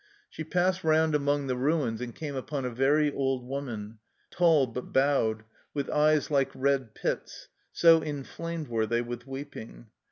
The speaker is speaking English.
She passed round among the ruins, and came upon a very old woman, tall but bowed, with eyes like red pits, so inflamed were they with weeping.